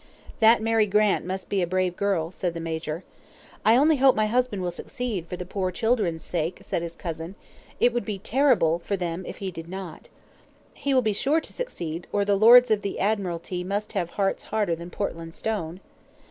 "That Mary Grant must be a brave girl," said the Major. "I only hope my husband will succeed, for the poor children's sake," said his cousin. "It would be terrible for them if he did not." "He will be sure to succeed, or the Lords of the Admiralty must have hearts harder than Portland stone."